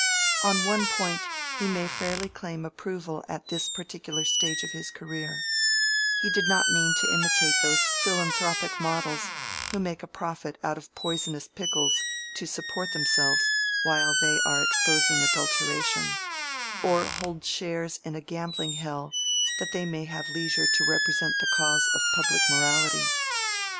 On one point he may fairly claim approval at this particular stage of his career: he did not mean to imitate those philanthropic models who make a profit out of poisonous pickles to support themselves while they are exposing adulteration, or hold shares in a gambling hell that they may have leisure to represent the cause of public morality.